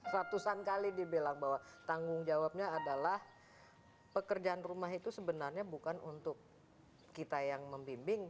ratusan kali dibilang bahwa tanggung jawabnya adalah pekerjaan rumah itu sebenarnya bukan untuk kita yang membimbing